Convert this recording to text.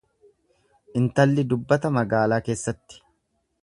Intalli dubbata magaalaa keessatti.